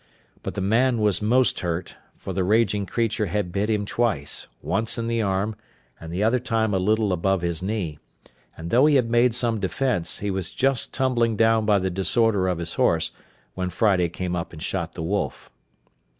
But the man was most hurt; for the raging creature had bit him twice, once in the arm, and the other time a little above his knee; and though he had made some defence, he was just tumbling down by the disorder of his horse, when Friday came up and shot the wolf.